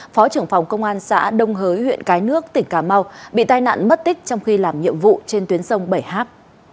phó trưởng phòng công an xã đông hới huyện cái nước tỉnh cà mau bị tai nạn mất tích trong khi làm nhiệm vụ trên tuyến sông bảy h